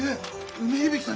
梅響さん